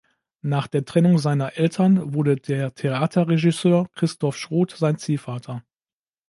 Nach der Trennung seiner Eltern wurde der Theaterregisseur Christoph Schroth sein Ziehvater.